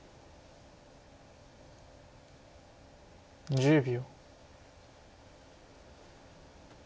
１０秒。